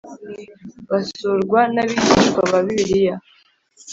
basurwa n Abigishwa ba Bibiliya